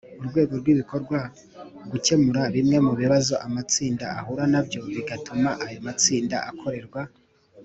Urwego rw ibikorwa gukemura bimwe mu bibazo amatsinda ahura na byo bigatuma ayo matsinda akorerwa